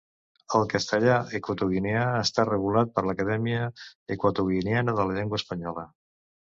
El castellà equatoguineà està regulat per l'Acadèmia Equatoguineana de la Llengua Espanyola.